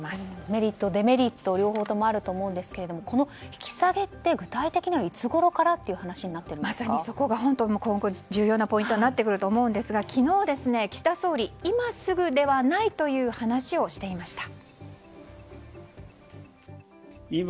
メリット、デメリット両方ともあると思いますけれどもこの引き下げって具体的にはいつごろからというまさにこれが重要なポイントになってきますが昨日、岸田総理今すぐではないという話をしていました。